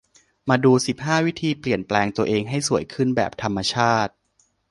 มาดู สิบห้า วิธีเปลี่ยนแปลงตัวเอง ให้สวยขึ้นแบบธรรมชาติ